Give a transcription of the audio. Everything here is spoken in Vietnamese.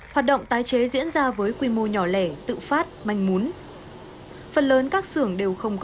hoạt động tái chế diễn ra với quy mô nhỏ lẻ tự phát manh mún phần lớn các xưởng đều không có